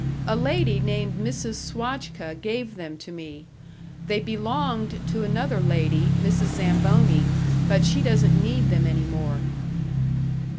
"A lady named Mrs. Swajka gave them to me. They belonged to another lady, Mrs. Zamboni, but she doesn't need them any more."